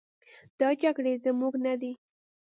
دا جګړې زموږ نه دي.